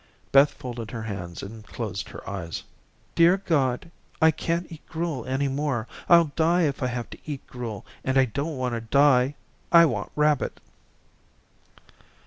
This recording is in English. Beth folded her hands and closed her eyes. "Dear God, I can't eat gruel any more. I'll die if I have to eat gruel, and I don't want to die. I want rabbit."